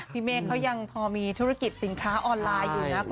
เมฆเขายังพอมีธุรกิจสินค้าออนไลน์อยู่นะคุณ